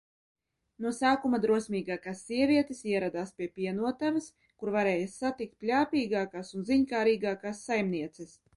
No sākuma drosmīgākās sievietes ieradās pie pienotavas, kur varēja satikt pļāpīgākās un ziņkārīgākās saimnieces.